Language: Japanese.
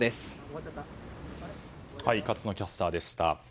勝野キャスターでした。